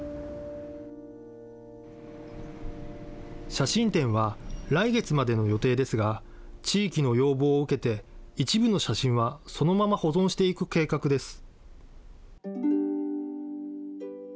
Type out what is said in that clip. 写真展は来月までの予定ですが、地域の要望を受けて、一部の写真はそのまま保存していく計画です。